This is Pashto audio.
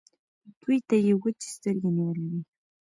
دوی ته يې وچې سترګې نيولې وې.